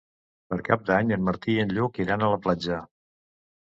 Per Cap d'Any en Martí i en Lluc iran a la platja.